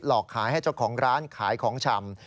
อกขายให้เจ้าของร้านขายของชำ